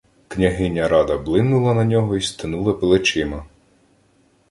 Княгиня Рада блимнула на нього й стенула плечима.